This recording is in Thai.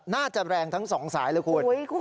น่าจะแรงทั้ง๒สายหรือคุณ